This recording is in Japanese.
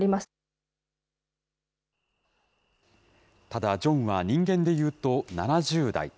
ただ、ジョンは人間でいうと７０代。